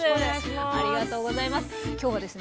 ありがとうございます。